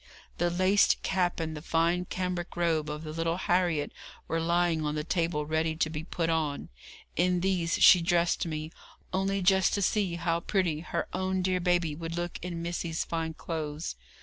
The laced cap and the fine cambric robe of the little Harriet were lying on the table ready to be put on. In these she dressed me, only just to see how pretty her own dear baby would look in missy's fine clothes.